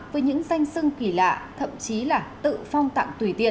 với những danh sưng kỳ lạ thậm chí là tự phong tặng tùy tiện